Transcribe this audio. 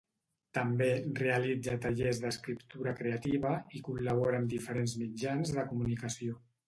També, realitza tallers d'escriptura creativa, i col·labora en diferents mitjans de comunicació.